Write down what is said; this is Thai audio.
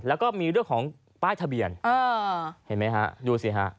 แล้วก็มีด้วยของป้ายทะเบียนเห็นไหมครับดูสิครับ